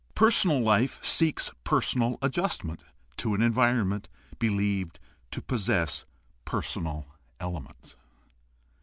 Personal life seeks personal adjustment to an environment believed to possess personal elements.